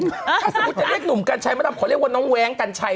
ถ้าสมมุติจะเรียกหนุ่มกัญชัยมาดำขอเรียกว่าน้องแว้งกัญชัย